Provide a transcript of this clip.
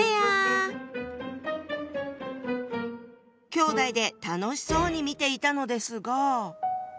きょうだいで楽しそうに見ていたのですが。